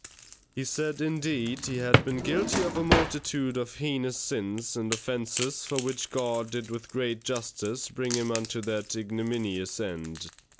He said, indeed, he had been guilty of a multitude of heinous sins and offences for which God did with great justice bring him unto that ignominious end.